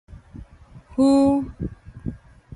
撫